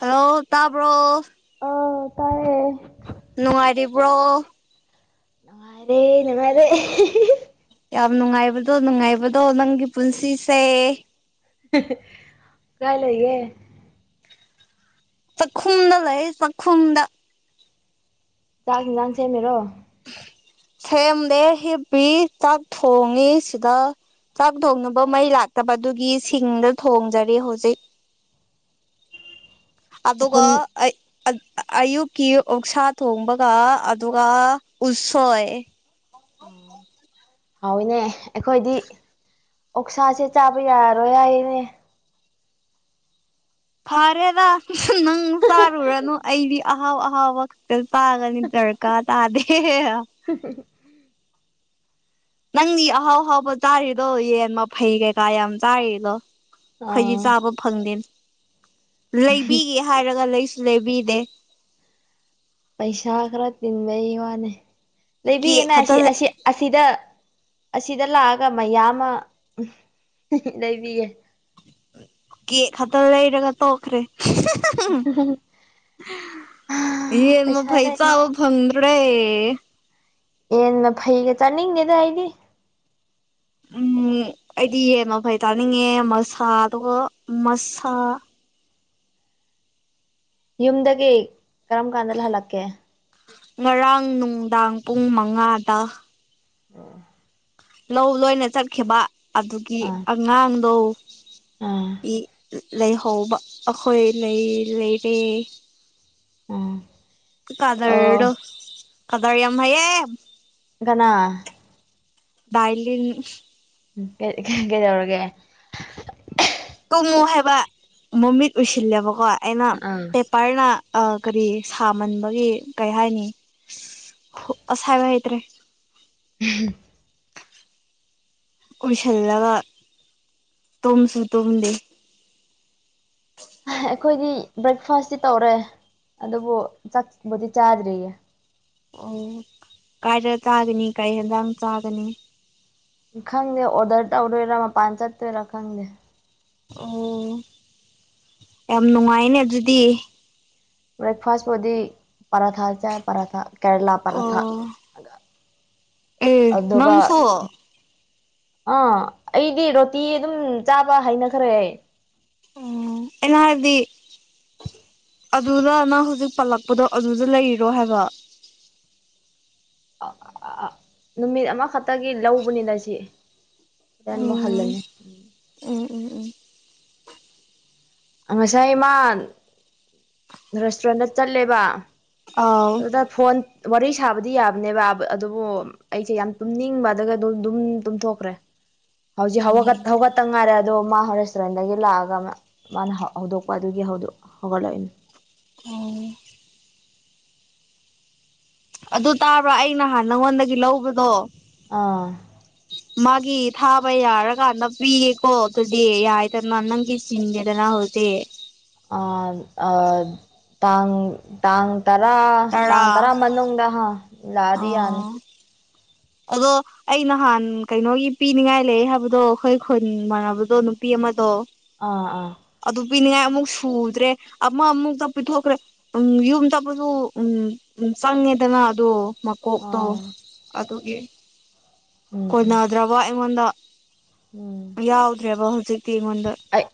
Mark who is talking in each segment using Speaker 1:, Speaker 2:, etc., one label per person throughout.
Speaker 1: hello ꯇꯥꯕ꯭ꯔꯣ
Speaker 2: ꯇꯔꯦ
Speaker 1: ꯅꯨꯡꯉꯥꯏꯔꯤꯕ꯭ꯔꯣ
Speaker 2: ꯅꯨꯉꯥꯏꯔꯦ ꯅꯨꯉꯥꯏꯔꯦ
Speaker 1: ꯌꯥꯝ ꯅꯨꯡꯉꯥꯏꯕꯗꯣ ꯅꯨꯡꯉꯥꯏꯕꯗꯣ ꯅꯪꯒꯤ ꯄꯨꯟꯁꯤꯁꯦ
Speaker 2: ꯀꯥꯏ ꯂꯩꯌꯦ
Speaker 1: ꯆꯥꯛꯈꯨꯝꯗ ꯂꯩꯌꯦ ꯆꯥꯛꯈꯨꯝꯗ
Speaker 2: ꯆꯥꯛ ꯍꯦꯜꯖꯥꯦ ꯁꯦꯃꯤꯔꯣ
Speaker 1: ꯁꯦꯝꯗꯦ ꯍꯤꯞꯄꯤ ꯆꯥꯛ ꯊꯣꯡꯉꯤ ꯁꯤꯗ ꯆꯥꯛ ꯊꯣꯡꯅꯕ ꯃꯩ ꯂꯥꯛꯇꯕꯗꯨꯒꯤ ꯁꯤꯡꯗ ꯊꯣꯡꯖꯔꯦ ꯍꯧꯖꯤꯛ ꯑꯗꯨꯒ
Speaker 2: ꯎꯈꯨꯟ
Speaker 1: ꯑꯩ ꯑꯌꯨꯛꯀꯤ ꯑꯣꯛꯁꯥ ꯊꯣꯡꯕꯒ ꯑꯗꯨꯒ ꯎꯁꯣꯏ
Speaker 2: ꯑ ꯍꯥꯎꯏꯅꯦ ꯑꯩꯈꯣꯏꯗꯤ ꯑꯣꯛꯁꯥꯁꯦ ꯆꯥꯕ ꯌꯥꯔꯣꯏ ꯍꯥꯌꯦꯅꯦ
Speaker 1: ꯐꯔꯦꯗꯥ ꯅꯪ ꯇꯥꯔꯨꯨꯔꯅꯣ ꯑꯩꯗꯤ ꯑꯍꯥꯎ ꯑꯍꯥꯎꯕꯛꯇ ꯇꯥꯒꯅꯤ ꯇꯔꯀꯥ ꯇꯥꯗꯦ
Speaker 2: [inaudible]
Speaker 1: ꯅꯪꯒꯤ ꯑꯍꯥꯎ ꯑꯍꯥꯎꯕ ꯆꯥꯔꯤꯗꯣ ꯌꯦꯟ ꯃꯐꯩ ꯀꯩꯀꯥ ꯌꯥꯝ ꯆꯥꯔꯤꯗꯣ ꯍꯖꯤ
Speaker 2: ꯑꯥ
Speaker 1: ꯆꯥꯕ ꯐꯪꯗꯦ ꯂꯩꯕꯤꯒꯦ ꯍꯥꯏꯔꯒ ꯂꯩꯁꯨ ꯂꯩꯕꯤꯗꯦ
Speaker 2: ꯄꯩꯁꯥ ꯈꯔ ꯇꯤꯟꯕꯩ ꯋꯥꯅꯤ
Speaker 1: ꯀꯦꯛ
Speaker 2: ꯂꯩꯕꯤꯒꯦꯅ
Speaker 1: ꯈꯛꯇ
Speaker 2: ꯑꯁꯤ ꯑꯁꯤꯗ ꯑꯁꯤꯗ ꯂꯥꯛꯑꯒ ꯃꯌꯥꯝ ꯑꯃ ꯂꯩꯕꯤꯒꯦ
Speaker 1: ꯀꯦꯛ ꯈꯛꯇ ꯂꯩꯔꯒ ꯇꯣꯛꯈ꯭ꯔꯦ ꯌꯦꯟ
Speaker 2: ꯄꯩꯁꯥ
Speaker 1: ꯃꯐꯩ ꯆꯥꯕ
Speaker 2: ꯂꯩꯗꯅ
Speaker 1: ꯐꯪꯗ ꯗ꯭ꯔꯦ
Speaker 2: ꯌꯦꯜ ꯐꯩꯒ ꯆꯥꯅꯤꯡꯉꯦꯗ ꯑꯩꯗꯤ
Speaker 1: ꯎꯝ ꯑꯩꯗꯤ ꯌꯦꯟ ꯃꯐꯩ ꯇꯥꯅꯤꯡꯉꯦ ꯃꯁꯥ ꯑꯗꯨꯒ ꯃꯁꯥ
Speaker 2: ꯌꯨꯝꯗꯒꯤ ꯀꯔꯝ ꯀꯥꯟꯗ ꯍꯜꯂꯛꯀꯦ
Speaker 1: ꯉꯔꯥꯡ ꯅꯨꯡꯗꯥꯡ ꯄꯨꯡ ꯃꯉꯥꯗ
Speaker 2: ꯑꯣ
Speaker 1: ꯂꯧ ꯂꯣꯏꯅ ꯆꯠꯈꯤꯕ ꯑꯗꯨꯒꯤ
Speaker 2: ꯑꯥ
Speaker 1: ꯑꯉꯥꯡꯗꯣ
Speaker 2: ꯑꯥ
Speaker 1: ꯍ ꯂꯩꯍꯧꯕ ꯑꯩꯈꯣꯏ ꯂꯩꯔꯦ
Speaker 2: ꯑꯥ ꯑꯣ
Speaker 1: ꯀꯗꯔꯣ ꯀꯗꯔ ꯌꯥꯝꯝ ꯍꯥꯏꯌꯦ
Speaker 2: ꯀꯅꯥ
Speaker 1: ꯇꯥꯏ [unintelligible]
Speaker 2: ꯀ ꯀꯩꯗꯧꯔꯒꯦ
Speaker 1: ꯌꯦꯉꯣ ꯍꯥꯏꯕ ꯃꯃꯤꯠ ꯎꯁꯤꯜꯂꯦꯕꯀꯣ ꯑꯩꯅ
Speaker 2: ꯑꯥ
Speaker 1: ꯄꯦꯄꯔꯅ ꯀꯔꯤ ꯁꯥꯃꯟꯕꯒꯤ ꯀꯩ ꯍꯥꯏꯅꯤ ꯍ ꯑꯁꯥ ꯂꯩꯇ꯭ꯔꯦ
Speaker 2: [inaudible]
Speaker 1: ꯎꯁꯜꯂꯒ ꯇꯨꯝꯁꯨ ꯇꯨꯝꯗꯦ
Speaker 2: ꯑꯩꯈꯣꯏꯗꯤ ꯕ꯭ꯔꯦꯛꯐꯥꯁꯇꯤ ꯇꯧꯔꯦ ꯑꯗꯨꯕꯨ ꯆꯥꯛꯕꯨꯗꯤ ꯆꯥꯗ꯭ꯔꯤꯌꯦ
Speaker 1: ꯑꯣ ꯀꯥꯏꯗ ꯆꯥꯒꯅꯤ ꯀꯥꯏ ꯍꯦꯟꯗꯥꯡ ꯆꯥꯒꯅꯤ
Speaker 2: ꯈꯪꯗꯦ ꯑꯣꯗꯔ ꯇꯧꯔꯣꯏꯔꯥ ꯃꯄꯥꯟ ꯆꯠꯇꯣꯏꯔꯥ ꯈꯪꯗꯦ
Speaker 1: ꯑꯣ ꯌꯥꯝ ꯅꯨꯡꯉꯥꯏꯅꯦ ꯑꯗꯨꯗꯤ
Speaker 2: ꯕ꯭ꯔꯛ ꯐꯥꯁꯄꯨꯗꯤ ꯄꯔꯥꯊꯥ ꯆꯥꯏ ꯄꯔꯥꯊꯥ ꯀꯦꯔꯂꯥ ꯄꯔꯊꯥ
Speaker 1: ꯑꯦ ꯅꯪꯁꯨ
Speaker 2: ꯑꯥ ꯑꯩꯗꯤ ꯔꯣꯇꯤ ꯑꯗꯨꯝ ꯆꯥꯕ ꯍꯥꯏꯅꯈ꯭ꯔꯦ
Speaker 1: ꯑꯣ ꯑꯦꯅꯔꯗꯤ ꯑꯗꯨꯅ ꯅꯪ ꯍꯧꯖꯤꯛ ꯄꯥꯜꯂꯛꯄꯗꯣ ꯑꯗꯨꯗ ꯂꯩꯔꯣ ꯍꯥꯏꯕ
Speaker 2: ꯅꯨꯃꯤꯠ ꯑꯃꯈꯛꯇꯒꯤ ꯂꯧꯕꯅꯤꯅ ꯁꯤ ꯃꯣ
Speaker 1: ꯎꯝ
Speaker 2: ꯍꯥꯜꯂꯅꯦ
Speaker 1: ꯎꯝ ꯎꯝ ꯎꯝ
Speaker 2: ꯉꯁꯥꯏ ꯃꯥ ꯔꯦꯁꯇꯨꯔꯦꯟꯗ ꯆꯠꯂꯦꯕ
Speaker 1: ꯑꯥꯎ
Speaker 2: ꯑꯣꯗ ꯐꯣꯟ ꯋꯥꯔꯤ ꯁꯥꯕꯗꯤ ꯌꯥꯕꯅꯦꯕ ꯑꯗꯨꯕꯨ ꯑꯩꯁꯦ ꯌꯥꯝ ꯇꯨꯝꯅꯤꯡꯕꯗꯒ ꯑꯗꯨ ꯑꯗꯨꯝ ꯇꯨꯝꯊꯣꯛꯈ꯭ꯔꯦ ꯍꯧꯖꯤ ꯍꯒ
Speaker 1: ꯎꯝ
Speaker 2: ꯍꯒ ꯇꯪꯉꯔꯦ ꯑꯗꯣ ꯃꯥ ꯔꯦꯁꯇꯨꯔꯦꯟꯗꯒꯤ ꯂꯥꯛꯑꯒ ꯃꯥꯅ ꯍꯧꯗꯣꯛꯄ ꯑꯗꯨꯒꯤ ꯍꯧꯗ ꯍꯧꯒꯠꯂꯛꯏꯅꯦ
Speaker 1: ꯑꯣ ꯑꯗꯨ ꯇꯥꯕ꯭ꯔꯣ ꯑꯩ ꯅꯍꯥꯟ ꯅꯪꯉꯣꯟꯗꯒꯤ ꯂꯧꯕꯗꯣ
Speaker 2: ꯑꯥ
Speaker 1: ꯃꯥꯒꯤ ꯊꯥꯕ ꯌꯥꯔꯀꯥꯟꯗ ꯄꯤꯌꯦꯀꯣ ꯑꯗꯨꯗꯤ ꯌꯥꯏꯗꯅ ꯅꯪꯒꯤ ꯆꯤꯟꯒꯦꯗꯅ ꯍꯧꯖꯤꯛ ꯎꯆ
Speaker 2: ꯑ ꯑ ꯇꯥꯡ ꯇꯥꯡ ꯇꯔꯥ ꯇꯥꯡ ꯇꯔꯥ ꯃꯅꯨꯡꯗ ꯍ ꯂꯥꯛꯑꯗꯤ
Speaker 1: ꯑꯣ
Speaker 2: ꯌꯥꯅꯤ
Speaker 1: ꯑꯗꯣ ꯑꯩ ꯅꯍꯥꯟ ꯀꯩꯅꯣꯒꯤ ꯄꯤꯅꯤꯡꯉꯥꯏ ꯂꯩ ꯍꯥꯏꯕꯗꯣ ꯑꯩꯈꯣꯏ ꯈꯨꯟ ꯃꯥꯟꯅꯕꯗꯣ ꯅꯨꯄꯤ ꯑꯃ ꯑꯃꯗꯣ
Speaker 2: ꯑꯥ ꯑꯥ
Speaker 1: ꯑꯗꯨ ꯄꯤꯅꯤꯡꯉꯥꯏ ꯑꯃꯨꯛ ꯁꯨꯗ꯭ꯔꯦ ꯑꯃ ꯑꯃꯨꯛꯇ ꯄꯤꯊꯣꯛꯈ꯭ꯔꯦ ꯎꯝ ꯌꯨꯝꯗꯄꯁꯨ ꯎꯝ ꯆꯪꯉꯦꯗꯅ ꯑꯗꯣ ꯃꯀꯣꯛꯇꯣ
Speaker 2: ꯑꯥ
Speaker 1: ꯑꯗꯨꯒꯤ
Speaker 2: ꯎꯝ ꯎꯝ
Speaker 1: ꯀꯣꯏꯅꯗ꯭ꯔꯕ ꯑꯩꯉꯣꯟꯗ
Speaker 2: ꯎꯝ
Speaker 1: ꯌꯥꯎꯗ꯭ꯔꯦꯕ ꯍꯧꯖꯤꯛꯇꯤ ꯑꯩꯉꯣꯟꯗ
Speaker 2: ꯑꯩ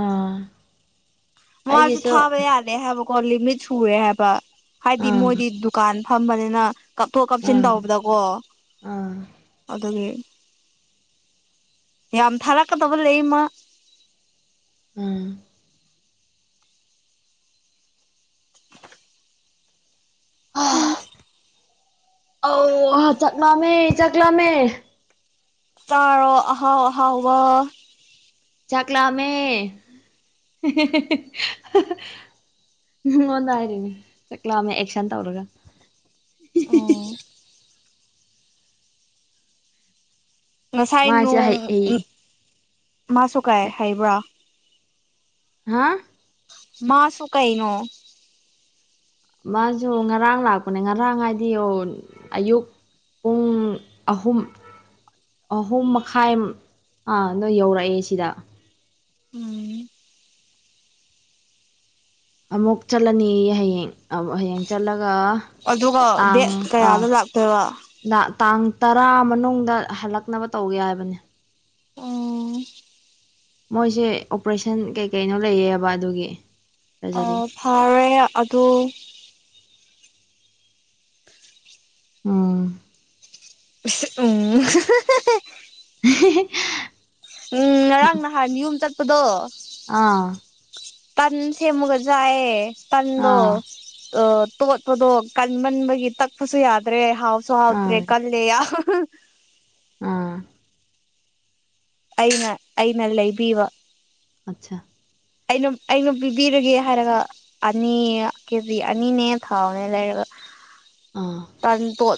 Speaker 2: ꯑꯥ
Speaker 1: ꯃꯥꯁꯨ
Speaker 2: ꯑꯩꯒꯤꯁꯨ
Speaker 1: ꯊꯥꯕ ꯌꯥꯂꯦ ꯍꯥꯏꯕꯀꯣ ꯂꯤꯃꯤꯠ ꯁꯨꯔꯦ ꯍꯥꯏꯕ ꯍꯥꯏꯗꯤ
Speaker 2: ꯑꯥ
Speaker 1: ꯃꯣꯏꯗꯤ ꯗꯨꯀꯥꯟ ꯐꯝꯕꯅꯤꯅ ꯀꯥꯞꯊꯣꯛ ꯀꯥꯞꯁꯤꯟ
Speaker 2: ꯑꯥ
Speaker 1: ꯇꯧꯕꯗꯀꯣ
Speaker 2: ꯑꯥ
Speaker 1: ꯑꯗꯨꯒꯤ ꯌꯥꯝ ꯊꯔꯛꯀꯗꯕ ꯂꯩ ꯃꯥ
Speaker 2: ꯎꯝ
Speaker 1: ꯑ
Speaker 2: ꯑꯧꯍꯥ ꯆꯥꯛ ꯂꯥꯝꯃꯦ ꯆꯥꯛ ꯂꯥꯝꯃꯦ
Speaker 1: ꯆꯥꯔꯣ ꯑꯍꯥꯎ ꯑꯍꯥꯎ
Speaker 2: ꯆꯥꯛꯂꯥꯃꯦ ꯉꯣꯟꯗ ꯍꯥꯏꯔꯤꯅꯤ ꯆꯥꯛ ꯂꯥꯃꯦ ꯑꯦꯛꯁꯟ ꯇꯧꯔꯒ
Speaker 1: ꯑꯣ ꯉꯁꯥꯏ
Speaker 2: ꯃꯥꯁꯦ
Speaker 1: ꯅꯣꯡ
Speaker 2: ꯍꯩ ꯍꯩ
Speaker 1: ꯃꯥꯁꯨ ꯀꯥꯏ ꯍꯥꯏꯕ꯭ꯔꯥ
Speaker 2: ꯍꯥꯥ
Speaker 1: ꯃꯥꯁꯨꯨ ꯀꯩꯅꯣ
Speaker 2: ꯃꯥꯁꯨ ꯉꯔꯥꯡ ꯂꯥꯛꯄꯅꯦ ꯉꯔꯥꯡ ꯍꯥꯏꯗꯤ ꯑꯣ ꯑꯌꯨꯛ ꯄꯨꯡ ꯑꯍꯨꯝ ꯑꯍꯨꯝ ꯃꯈꯥꯏ ꯅꯣꯏ ꯌꯧꯔꯛꯑꯦ ꯁꯤꯗ
Speaker 1: ꯎꯝ
Speaker 2: ꯑꯃꯨꯛ ꯆꯠꯂꯅꯤ ꯍꯌꯦꯡ ꯍꯌꯦꯡ ꯆꯠꯂꯒ
Speaker 1: ꯑꯗꯨꯒ ꯗꯦꯠ
Speaker 2: ꯇꯥꯡ ꯑꯥ
Speaker 1: ꯀꯌꯥꯗ ꯂꯥꯛꯇꯣꯏꯕ
Speaker 2: ꯇꯥꯡ ꯇꯔꯥ ꯃꯅꯨꯡꯗ ꯍꯜꯂꯛꯅꯕ ꯇꯧꯒꯦ ꯍꯥꯏꯕꯅꯤ
Speaker 1: ꯑꯣ
Speaker 2: ꯃꯣꯏꯁꯦ ꯑꯣꯄꯔꯦꯁꯟ ꯀꯩ ꯀꯩꯅꯣ ꯂꯩꯌꯦꯕ ꯑꯗꯨꯒꯤ
Speaker 1: ꯑ
Speaker 2: ꯁꯔꯖꯔꯤ
Speaker 1: ꯐꯔꯦ ꯑꯗꯨ
Speaker 2: ꯑꯣ
Speaker 1: ꯎꯝ
Speaker 2: ꯍ
Speaker 1: ꯎꯝ ꯉꯔꯥꯡ ꯅꯍꯥꯟ ꯌꯨꯝ ꯆꯠꯄꯗꯣ
Speaker 2: ꯑꯥ
Speaker 1: ꯇꯥꯟꯁꯦ ꯃꯒ ꯆꯑ ꯇꯥꯟꯗ
Speaker 2: ꯑꯥ
Speaker 1: ꯑ ꯇꯣꯠꯄꯗꯣ ꯀꯟꯃꯟꯕꯒꯤ ꯇꯛꯄꯁꯨ ꯌꯥꯗ꯭ꯔꯦ ꯍꯥꯎꯁꯨ
Speaker 2: ꯑꯥ
Speaker 1: ꯍꯥꯎꯗ꯭ꯔꯦ ꯀꯜꯂꯦ ꯑ
Speaker 2: ꯑꯥ
Speaker 1: ꯑꯩꯅ ꯑꯩꯅ ꯂꯩ ꯤꯕ
Speaker 2: ꯑꯆꯥꯆꯥ
Speaker 1: ꯑꯩꯅ ꯑꯩꯅ ꯄꯤꯕꯤꯔꯒꯦ ꯍꯥꯏꯔꯒ ꯑꯅꯤ ꯀꯦꯖꯤ ꯑꯅꯤꯅꯦ ꯊꯥꯎꯅꯦ ꯂꯩꯔꯒ
Speaker 2: [inaudible]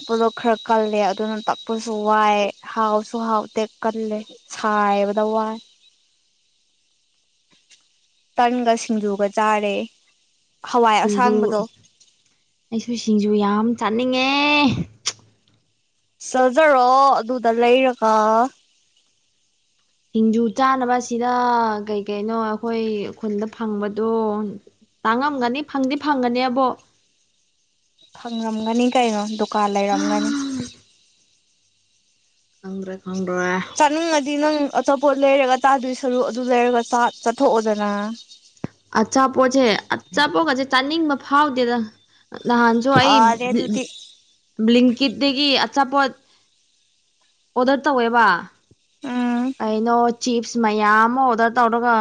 Speaker 1: ꯇꯂ ꯈꯔ ꯀꯜꯂꯦ ꯑꯗꯨꯅ ꯇꯛꯄꯁꯨ ꯋꯥꯏ ꯍꯥꯎꯁꯨ ꯍꯥꯎꯇꯦꯛ ꯀꯜꯂꯦ ꯁꯥꯏꯕꯗ ꯋꯥꯏ
Speaker 2: [inaudible]
Speaker 1: ꯇꯟꯒ ꯁꯤꯡꯖꯨꯒ ꯆꯥꯔꯦ ꯍꯋꯥꯏ
Speaker 2: ꯁꯤꯡꯖꯨ
Speaker 1: ꯑꯁꯥꯡꯕꯗꯣ
Speaker 2: ꯑꯩꯁꯨ ꯁꯤꯡꯖꯨ ꯌꯥꯝ ꯆꯥꯅꯤꯡꯉꯦ
Speaker 1: ꯆꯠꯖꯔꯣ ꯑꯗꯨꯗ ꯂꯩꯔꯒ
Speaker 2: ꯁꯤꯡꯖꯨ ꯆꯥꯅꯕꯁꯤꯅ ꯀꯩ ꯀꯩꯅꯣ ꯑꯩꯈꯣꯏ ꯈꯨꯟꯗ ꯐꯪꯕꯗꯣ ꯇꯥꯡꯉꯝꯒꯅꯤ ꯐꯪꯗꯤ ꯐꯪꯒꯅꯤ ꯑꯕꯣ
Speaker 1: ꯐꯪꯔꯝꯒꯅꯤ ꯀꯩꯅꯣ ꯗꯨꯀꯥꯟ ꯂꯩꯔꯝꯒꯅꯤ
Speaker 2: ꯑꯪ꯭ꯔ
Speaker 1: ꯆꯅꯤꯡꯪ ꯑꯗꯤ ꯅꯪ ꯑꯆꯥꯄꯣꯠ ꯂꯩꯔꯒ ꯆꯥꯗꯣꯏ ꯁꯔꯨꯛ ꯑꯗꯨ ꯂꯩꯔꯒ ꯆꯠꯊꯣꯛꯑꯣꯗꯅ
Speaker 2: ꯑꯆꯥꯄꯣꯠꯁꯦ ꯑꯆꯥꯄꯣꯠꯀꯁꯦ ꯆꯥꯅꯤꯡꯕ ꯐꯥꯎꯗꯦꯗ ꯅꯍꯥꯟꯁꯨ ꯑꯩ
Speaker 1: ꯐꯔꯦ ꯑꯗꯨꯗꯤ
Speaker 2: ꯕ꯭ꯂꯤꯡꯀꯤꯠꯇꯒꯤ ꯑꯆꯥꯄꯣꯠ ꯑꯣꯗꯔ ꯇꯧꯋꯦꯕ
Speaker 1: ꯎꯝ
Speaker 2: ꯀꯩꯅꯣ ꯆꯤꯞꯁ ꯃꯌꯥꯝ ꯑꯃ ꯑꯣꯗꯔ ꯇꯧꯔꯒ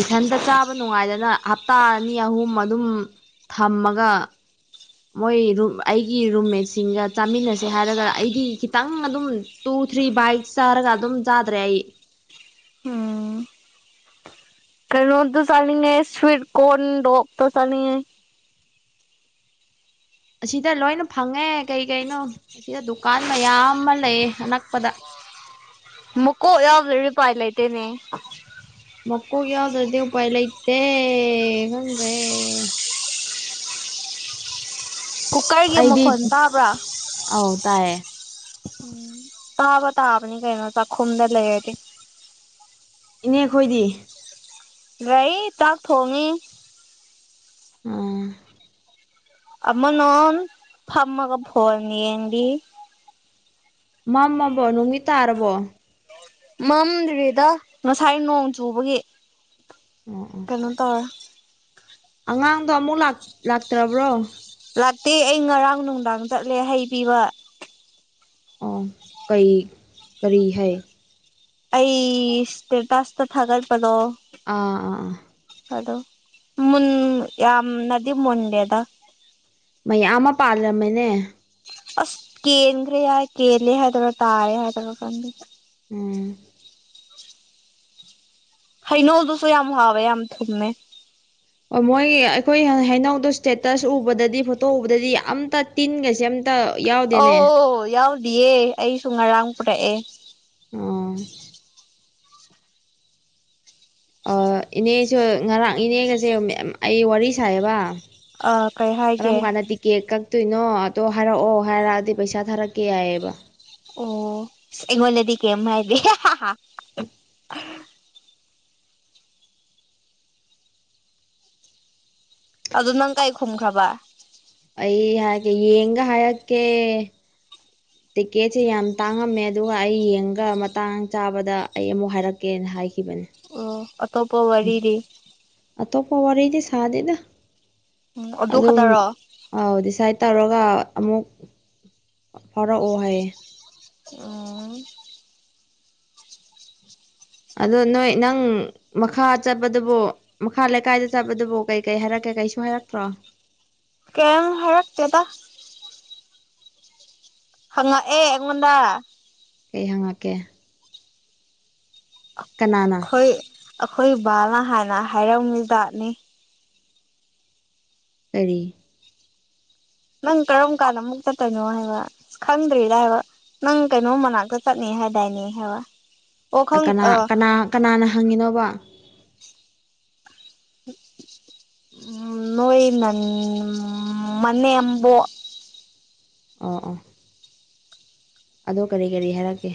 Speaker 2: ꯏꯊꯟꯇ ꯆꯥꯕ ꯅꯨꯡꯉꯥꯏꯗꯅ ꯍꯞꯇꯥ ꯑꯅꯤ ꯑꯍꯨꯝ ꯑꯗꯨꯝ ꯊꯝꯃꯒ ꯃꯣꯏ ꯑꯩꯒꯤ ꯔꯨꯝꯃꯦꯠꯁꯤꯡꯒ ꯆꯥꯃꯤꯟꯅꯁꯦ ꯍꯥꯏꯔꯒ ꯑꯩꯗꯤ ꯈꯤꯇꯪ ꯑꯗꯨꯝ ꯇ ꯄꯨꯨꯊ꯭ꯔꯤ ꯕꯥꯏꯛ ꯆꯥꯔꯒ ꯑꯗꯨꯝ ꯆꯥꯗ꯭ꯔꯦ ꯑꯩ
Speaker 1: ꯑꯝ ꯀꯩꯅꯣꯗ ꯆꯅꯤꯡꯉ ꯐꯔ ꯀꯣꯣꯟꯣꯛ ꯇ ꯆꯅꯤꯉ
Speaker 2: ꯑꯁꯤꯗ ꯂꯣꯏꯅ ꯐꯪꯉꯦ ꯀꯩ ꯀꯩꯅꯣ ꯑꯁꯤꯗ ꯗꯨꯀꯥꯟ ꯃꯌꯥꯝ ꯑꯃ ꯂꯩꯌꯦ ꯁꯅꯛꯄꯗ
Speaker 1: ꯃꯀꯣꯕꯔꯤ ꯄꯥꯏ ꯂꯩꯇꯅꯦ
Speaker 2: ꯑꯣꯈꯣꯒ ꯌꯥꯎꯗꯗꯤꯦ ꯎ ꯄꯥꯏ ꯂꯩꯇꯦ ꯈꯪ꯭ꯔꯦ
Speaker 1: ꯀꯨꯀꯔꯒꯤ
Speaker 2: ꯑꯩꯗꯤ
Speaker 1: ꯃꯈꯣꯟ ꯇꯥꯕ꯭ꯔꯥ
Speaker 2: ꯑꯧ ꯇꯥꯏꯌꯦ
Speaker 1: ꯎꯝ ꯍꯥꯥꯕ ꯇ ꯍꯥꯅꯤ ꯀꯩꯅꯅ ꯆꯈꯨꯗ ꯂꯩꯗꯤ
Speaker 2: ꯏꯅꯦꯈꯣꯏꯗꯤ
Speaker 1: ꯔꯏ ꯇꯥꯛ ꯍꯣꯡꯉꯦ
Speaker 2: ꯑ
Speaker 1: ꯑꯃ ꯅ ꯐꯃ ꯀ ꯐꯣꯔꯅꯤ ꯑꯦꯗꯤ
Speaker 2: ꯃꯥ ꯃꯥꯕꯣ ꯅꯣꯡꯃꯤꯠ ꯇꯥꯔꯕꯣ
Speaker 1: ꯃꯝꯗ꯭ꯔꯤꯦꯗ ꯉꯁꯥꯏ ꯅꯣꯡ ꯆꯨꯕꯒꯤ
Speaker 2: ꯑꯣ ꯑꯣ
Speaker 1: ꯀꯩꯅꯣ ꯇꯧ
Speaker 2: ꯑꯉꯥꯡꯗꯣ ꯑꯃꯨꯛ ꯂꯥꯛꯇ꯭ꯔꯕ꯭ꯔꯣ
Speaker 1: ꯂꯥꯛꯇꯦ ꯑꯩ ꯉꯔꯥꯡ ꯅꯨꯡꯗꯥꯡ ꯆꯠꯂꯦ ꯍꯩꯕꯤꯕ
Speaker 2: ꯎꯝ ꯀꯩ ꯀꯔꯤ ꯍꯥꯏ
Speaker 1: ꯑꯩ ꯏꯁꯇꯦꯇꯁꯇꯥ ꯊꯥꯒꯠꯄꯗꯣ
Speaker 2: ꯑꯥ ꯑꯥ ꯑꯥ
Speaker 1: ꯑꯗꯣ ꯃꯨꯟ ꯌꯥꯝꯅꯗꯤ ꯃꯨꯟꯗꯦꯗꯥ
Speaker 2: ꯃꯌꯥꯝ ꯑꯃꯥ ꯄꯥꯜꯂꯝꯃꯦꯅꯦ
Speaker 1: ꯑꯁ ꯀꯦꯟꯈ꯭ꯔꯦ ꯍꯥꯏ ꯀꯦꯜꯂꯦ ꯍꯥꯏꯗꯨꯏꯔ ꯇꯥꯏꯌꯦ ꯍꯥꯏꯗꯨꯏꯔ ꯈꯪꯗꯦ
Speaker 2: ꯎꯝ
Speaker 1: ꯍꯩꯅꯣꯗꯨꯁꯨ ꯌꯥꯝ ꯍꯥꯎꯋꯦ ꯌꯥꯝ ꯊꯨꯝꯃꯦ
Speaker 2: ꯑꯃꯣꯏ ꯑꯩꯈꯣꯏ ꯍꯩꯅꯧꯗꯣ ꯏꯁꯇꯦꯇꯁ ꯎꯕꯗꯥꯗꯤ ꯐꯣꯇꯣ ꯎꯕꯗꯥꯗꯤ [unintelligible] ꯇꯤꯟꯒꯁꯦ ꯌꯥꯎꯗꯦꯅꯦ
Speaker 1: ꯑꯧ ꯌꯥꯎꯗꯤꯌꯦ ꯑꯩꯁꯨ ꯉꯔꯥꯡ ꯄꯨꯔꯛꯑꯦ
Speaker 2: ꯑꯝ ꯑ ꯏꯅꯦꯁꯨ ꯉꯔꯥꯡ ꯏꯅꯦꯒꯁꯦ ꯑꯩ ꯋꯥꯔꯤ ꯁꯥꯏꯌꯦꯕ
Speaker 1: ꯑ ꯀꯩ ꯍꯥꯏꯒꯦ
Speaker 2: ꯀꯔꯝꯀꯥꯟꯗ ꯇꯤꯛꯀꯦꯠ ꯀꯛ ꯇꯩꯅꯣ ꯑꯗꯣ ꯍꯥꯏꯔꯛꯑꯣ ꯍꯥꯏꯔꯛꯑꯗꯤ ꯄꯩꯁꯥ ꯊꯥꯔꯛꯀꯦ ꯌꯥꯏꯌꯦꯕ
Speaker 1: ꯑꯣ ꯑꯩꯉꯣꯟꯗꯗꯤ ꯀꯥꯔꯤꯝ ꯍꯥꯏꯗꯦ
Speaker 2: [unintelligible]
Speaker 1: ꯑꯗꯣ ꯅꯪ ꯀꯩ ꯈꯨꯝꯈ꯭ꯔꯥꯕ
Speaker 2: ꯑꯩ ꯍꯥꯏꯒꯦ ꯌꯦꯡꯉꯥꯒ ꯍꯥꯏꯔꯛꯀꯦ ꯇꯤꯛꯀꯦꯠꯁꯦ ꯌꯥꯝ ꯇꯥꯡꯉꯝꯃꯦ ꯑꯗꯨꯒ ꯑꯩ ꯌꯦꯡꯒ ꯃꯇꯥꯡ ꯆꯥꯕꯗ ꯑꯩ ꯑꯃꯨꯛ ꯍꯥꯏꯔꯛꯀꯦ ꯍꯥꯏꯈꯤꯕꯅꯦ
Speaker 1: ꯑꯣ ꯑꯇꯣꯞꯄ
Speaker 2: ꯎꯝ
Speaker 1: ꯋꯥꯔꯤꯗꯤ
Speaker 2: ꯑꯇꯣꯞꯄ ꯋꯥꯔꯤꯗꯤ ꯁꯥꯗꯦꯗ
Speaker 1: ꯎꯝ ꯑꯗꯨ
Speaker 2: ꯑꯗꯨꯝ
Speaker 1: ꯈꯛꯇꯔꯣ
Speaker 2: ꯗꯤꯁꯥꯏꯠ ꯇꯥꯔꯣ [unintelligible] ꯑꯃꯨꯛ ꯐꯥꯎꯔꯛꯑꯣ ꯍꯥꯏꯌꯦ
Speaker 1: ꯑꯣ
Speaker 2: ꯑꯗꯣ ꯅꯣꯏ ꯅꯪ ꯃꯈꯥ ꯆꯠꯄꯗꯨꯕꯨ ꯃꯈꯥ ꯂꯩꯀꯥꯏꯗ ꯆꯠꯄꯗꯨꯕꯨ ꯀꯩ ꯀꯩ ꯍꯥꯏꯔꯛꯀꯦ ꯀꯩꯁꯨ ꯍꯥꯏꯔꯛꯇ꯭ꯔꯣ
Speaker 1: ꯀꯩꯝ ꯍꯥꯏꯔꯛꯇꯦꯗ ꯍꯪꯉꯛꯑꯦ ꯑꯩꯉꯣꯟꯗ
Speaker 2: ꯀꯩ ꯍꯪꯉꯛꯀꯦ ꯀꯅꯥꯅ
Speaker 1: ꯈꯣꯏ ꯑꯩꯈꯣꯏ ꯕꯥꯅ ꯍꯥꯟꯅ ꯍꯥꯏꯔꯝꯗꯥꯠꯅꯤ
Speaker 2: ꯀꯔꯤ
Speaker 1: ꯅꯪ ꯀꯔꯝ ꯀꯥꯟꯗ ꯑꯃꯨꯛ ꯇꯠꯇꯨꯏꯅꯣ ꯍꯥꯏꯕ ꯈꯪꯗ꯭ꯔꯤꯔꯥ ꯍꯥꯏꯕ ꯅꯪ ꯀꯩꯅꯣꯝ ꯃꯅꯥꯛꯀ ꯇꯠꯅꯤ ꯍꯥꯏꯗꯥꯏꯅꯦ ꯍꯥꯏꯕ ꯑꯣ ꯈꯪ
Speaker 2: ꯀꯅꯥ
Speaker 1: ꯑ
Speaker 2: ꯀꯅꯥ ꯀꯅꯥꯅ ꯍꯪꯉꯤꯅꯣꯕ
Speaker 1: [unintelligible] ꯎꯝ ꯅꯣꯏ ꯅꯥꯟ ꯃꯅꯦꯝꯕꯣꯛ
Speaker 2: ꯑ ꯑ ꯑꯗꯣ ꯀꯔꯤ ꯀꯔꯤ ꯍꯥꯏꯔꯛꯀꯦ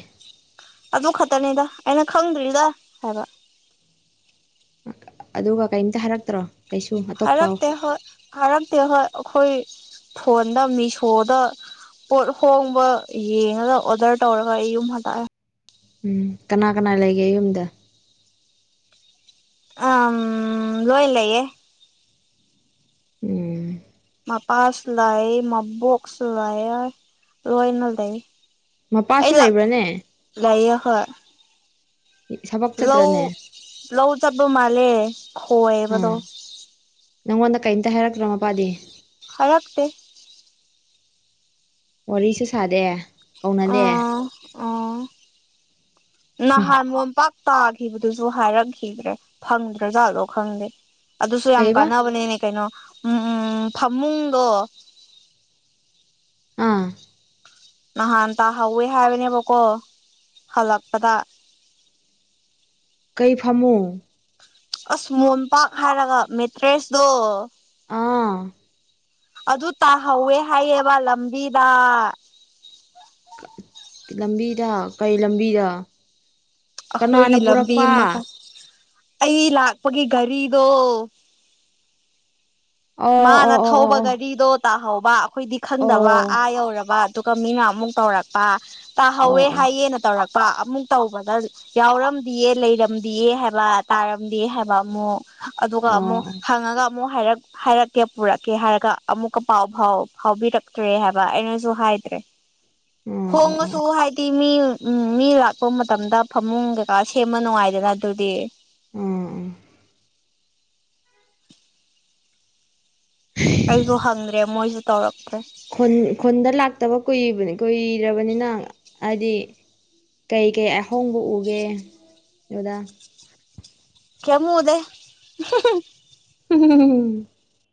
Speaker 1: ꯑꯗꯨ ꯈꯛꯇꯅꯤꯗ ꯑꯩꯅ ꯈꯪꯗ꯭ꯔꯤꯗ ꯍꯥꯏꯕ
Speaker 2: ꯑꯗꯨꯒ ꯀꯩꯝꯇ ꯍꯥꯏꯔꯛꯇ꯭ꯔꯣ ꯀꯩꯁꯨ ꯑꯇꯣꯞꯄ
Speaker 1: ꯍꯥꯏꯔꯛꯇꯦ ꯍꯣꯏ ꯍꯥꯏꯔꯛꯇꯦ ꯍꯣꯏ ꯑꯩꯈꯣꯏ ꯐꯣꯟꯗ ꯃꯤꯁꯣꯗ ꯄꯣꯠ ꯍꯣꯡꯕ ꯌꯦꯡꯉꯥꯒ ꯑꯣꯗꯔ ꯇꯧꯔꯒ ꯑꯩ ꯌꯨꯝ ꯍꯜꯂꯛꯑꯦ
Speaker 2: ꯎꯝ ꯀꯅꯥ ꯀꯅꯥ ꯂꯩꯒꯦ ꯌꯨꯝꯗ
Speaker 1: ꯑꯝ ꯂꯣꯢ ꯂꯩꯌꯦ
Speaker 2: ꯎꯝ
Speaker 1: ꯃꯥꯄꯥꯁꯨ ꯂꯩ ꯃꯥꯕꯣꯛꯁꯨ ꯂꯩꯌꯦ ꯂꯣꯏꯅ ꯂꯩ ꯑꯩ
Speaker 2: ꯃꯄꯥꯁꯨ
Speaker 1: ꯂꯛ
Speaker 2: ꯂꯩꯕ꯭ꯔꯥꯅꯦ
Speaker 1: ꯂꯩꯌꯦ ꯍꯣꯏ
Speaker 2: ꯊꯕꯛ
Speaker 1: ꯂꯧ
Speaker 2: ꯆꯠꯇ꯭ꯔꯅꯦ
Speaker 1: ꯂꯧ ꯆꯠꯄꯥ ꯃꯥꯜꯂꯦ ꯈꯣꯏꯕꯗꯣ
Speaker 2: ꯑꯥ ꯅꯪꯉꯣꯟꯗ ꯀꯩꯝꯇ ꯍꯥꯏꯔꯛꯇ꯭ꯔꯣ ꯃꯄꯥꯗꯤ
Speaker 1: ꯍꯥꯏꯔꯛꯇꯦ
Speaker 2: ꯋꯥꯔꯤꯁꯨ ꯁꯥꯗꯦ ꯀꯧꯅꯗꯦ
Speaker 1: ꯑꫭ ꯑꯣ ꯅꯍꯥꯟ ꯃꫭꯝ ꯄꯥꯛ ꯇꯥꯈꯤꯕꯗꯨꯁꯨ ꯍꯥꯏꯔꯛꯈꯤꯗ꯭ꯔꯦ ꯐꯪꯗ꯭ꯔꯥ ꯖꯥꯠꯂꫭ ꯈꯪꯗꯦ ꯑꯗꯨꯁꯨ ꯌꯥꯝ
Speaker 2: ꯀꯩꯕ
Speaker 1: ꯀꯥꯟꯅꯕꯅꯤꯅꯦ ꯀꯩꯅꯣ ꯎꯝ ꯎꯝ ꯐꯃꯨꯡꯒꯣ
Speaker 2: ꯑꯥ
Speaker 1: ꯅꯍꯥꯟ ꯇꯥꯍꯧꯋꯦ ꯍꯥꯏꯕꯅꯦꯕꯀꯣ ꯍꯜꯂꯛꯄꯗ
Speaker 2: ꯀꯩ ꯐꯃꯨꯡ
Speaker 1: ꯑꯁ ꯃꯣꯝꯄꯥꯛ ꯍꯥꯏꯔꯒ ꯃꯦꯇ꯭ꯔꯦꯁꯇꯣ
Speaker 2: ꯑꯥ
Speaker 1: ꯑꯗꯨ ꯇꯥꯍꯧꯋꯦ ꯍꯥꯏꯌꯦꯕ ꯂꯝꯕꯤꯗ
Speaker 2: ꯂꯝꯕꯤꯗ ꯀꯩ ꯂꯝꯕꯤꯗ ꯀꯅꯥꯅ
Speaker 1: ꯑꯩꯈꯣꯏꯒꯤ ꯂꯝꯕꯤ
Speaker 2: ꯄꯨꯔꯛꯄ
Speaker 1: ꯃꯈꯥ ꯑꯩ ꯂꯥꯛꯄꯒꯤ ꯔꯤꯗꯣ
Speaker 2: ꯑꯣ
Speaker 1: ꯃꯥꯅ
Speaker 2: ꯑꯣ ꯑꯣ ꯑꯣ ꯑꯣ ꯑꯣ ꯑꯣ ꯑꯣ ꯑꯣ ꯑꯣ
Speaker 1: ꯊꯧꯕ ꯒꯥꯔꯤꯗꯣ ꯇꯥꯍꯧꯕ ꯑꯩꯈꯣꯏꯗꯤ ꯈꯪꯗꯕ ꯑꯥ ꯌꯧꯔꯕ ꯑꯗꯨꯒ ꯃꯤꯅ ꯑꯃꯨꯛ ꯇꯧꯔꯛꯄ ꯇꯥꯍꯧꯋꯦ
Speaker 2: ꯑꯣ ꯑꯣ ꯑꯣ ꯑꯣ
Speaker 1: ꯍꯥꯏꯌꯦꯅ ꯇꯧꯔꯛꯄ ꯑꯃꯨꯛ ꯇꯧꯕꯗ ꯌꯥꯎꯔꯝꯗꯑ ꯂꯩꯔꯝꯗꯑ ꯍꯥꯏꯕ ꯇꯥꯔꯝꯗꯦ ꯍꯥꯏꯕ ꯑꯃꯨꯛ ꯑꯗꯨꯒ ꯑꯃꯨꯛ ꯍꯪꯉꯒ ꯑꯃꯨꯛ ꯍꯥꯏꯔꯛ ꯍꯥꯏꯔꯛꯀꯦ ꯄꯨꯔꯛꯀꯦ ꯍꯥꯏꯔꯒ ꯑꯃꯨꯛꯀ ꯄꯥꯎ ꯐꯥꯎ ꯐꯥꯎꯕꯤꯔꯛꯇ꯭ꯔꯦ ꯍꯥꯏꯕ ꯑꯩꯅꯁꯨ ꯍꯥꯏꯗ꯭ꯔꯦ ꯍꯣꯡꯉꯁꯨ ꯍꯥꯏꯗꯤ ꯃꯤ ꯎꯝ ꯃꯤ ꯂꯥꯛꯄ ꯃꯇꯝꯗ ꯐꯃꯨꯡ ꯀꯩꯀꯥ ꯁꯦꯝꯃ ꯅꯨꯡꯉꯥꯏꯗꯅ ꯑꯗꯨꯗꯤ
Speaker 2: ꯎꯝ ꯎ
Speaker 1: ꯑꯩꯁꯨ ꯍꯪꯗ꯭ꯔꯦ ꯃꯣꯏꯁꯨ ꯇꯧꯔꯛꯇ꯭ꯔꯦ
Speaker 2: ꯈꯨꯟꯗ ꯂꯥꯛꯇꯕ ꯀꯨ ꯀꯨꯏꯔꯕꯅꯤꯅ ꯍꯥꯏꯗꯤ ꯀꯩ ꯀꯩ ꯑꯍꯣꯡꯕ ꯎꯒꯦ ꯑꯗꯨꯗ
Speaker 1: ꯀꯦꯃꯨꯗ
Speaker 2: [inaudible]